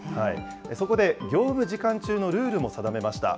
そこで業務時間中のルールも定めました。